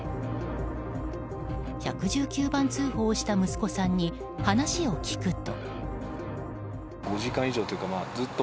１１９番通報した息子さんに話を聞くと。